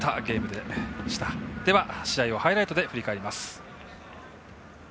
では、試合をハイライトで振り返ります。